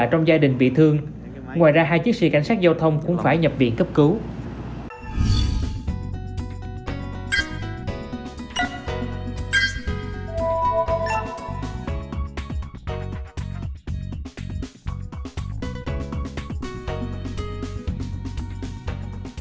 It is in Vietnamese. hãy đăng ký kênh để nhận thêm nhiều video mới nhé